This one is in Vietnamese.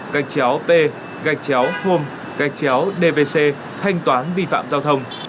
gạch chéo p gạch chéo home gạch chéo dvc thanh toán vi phạm giao thông